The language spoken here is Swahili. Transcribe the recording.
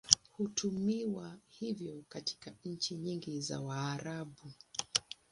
Hutumiwa hivyo katika nchi nyingi za Waarabu.